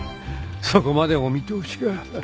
そこまでお見通しか。